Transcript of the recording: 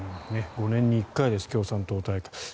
５年に１回です共産党大会。